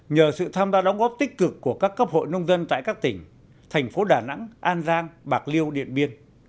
nhờ sự tham gia đóng góp tích cực của các cấp hội nông dân tại các tỉnh thành phố đà nẵng an giang bạc liêu điện biên